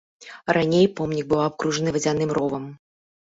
Раней помнік быў абкружаны вадзяным ровам.